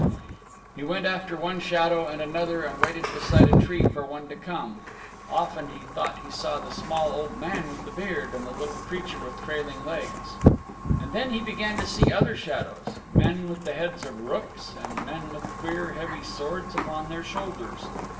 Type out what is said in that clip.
He went after one shadow and another and waited beside a tree for one to come. Often he thought he saw the small old man with the beard and the little creature with trailing legs. And then he began to see other shadows men with the heads of rooks and men with queer heavy swords upon their shoulders.